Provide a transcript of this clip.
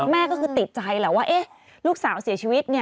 แม่ก็คือติดใจแหละว่าลูกสาวเสียชีวิต